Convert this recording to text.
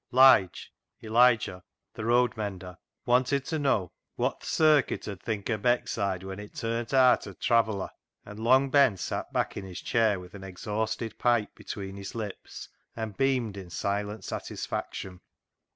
Lige (Elijah), the road mender, wanted to know " wot th' circuit ud think o' Beckside when it turn't aat a * traveller,' " and Long Ben sat back in his chair with an exhausted pipe between his lips and beamed in silent satisfaction.